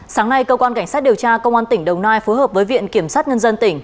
sáng nay cơ quan cảnh sát điều tra công an tỉnh đồng nai phối hợp với viện kiểm sát nhân dân tỉnh